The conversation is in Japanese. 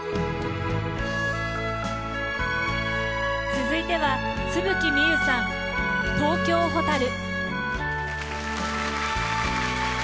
続いては津吹みゆさん「東京ホタル」。